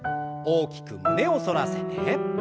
大きく胸を反らせて。